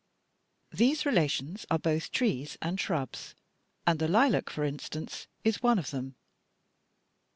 These relations are both trees and shrubs, and the lilac, for instance, is one of them."